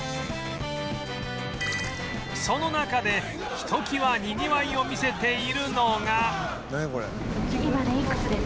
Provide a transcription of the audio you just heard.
その中でひときわにぎわいを見せているのが